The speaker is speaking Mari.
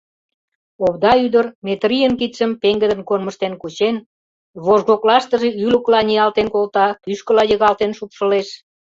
Овда ӱдыр, Метрийын кидшым пеҥгыдын кормыжтен кучен, вожгоклаштыже ӱлыкыла ниялтен колта, кӱшкыла йыгалтен шупшылеш.